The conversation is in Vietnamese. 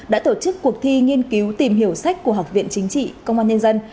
đã tổ chức cuộc thi nghiên cứu tìm hiểu sách của học viện chính trị công an nhân dân